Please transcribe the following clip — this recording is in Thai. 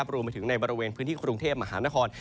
รวมไปถึงในบริเวณพื้นที่กรุงเทพมหานคร